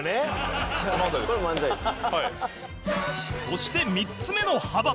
そして３つ目の幅